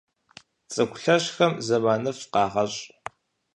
Цӏыху лъэщхэм зэманыфӏ къагъэщӏ.